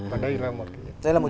và đây là một trường pháp